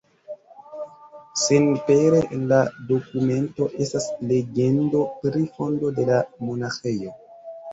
Senpere en la dokumento estas legendo pri fondo de la monaĥejo.